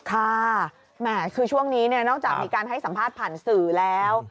ค่ะแหม่คือช่วงนี้เนี่ยนอกจากมีการให้สัมภาษณ์ผ่านสื่อแล้ว